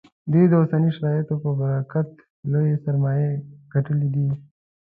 دوی د اوسنیو شرایطو په برکت لویې سرمایې ګټلې دي